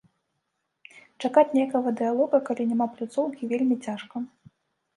Чакаць нейкага дыялога, калі няма пляцоўкі, вельмі цяжка.